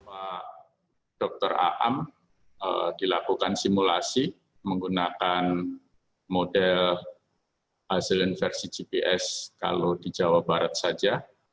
pak dr aam dilakukan simulasi menggunakan model hasil inversi gps kalau di jawa barat saja